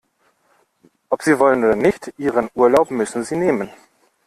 Ob Sie wollen oder nicht, Ihren Urlaub müssen Sie nehmen.